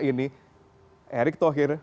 ini erik thohir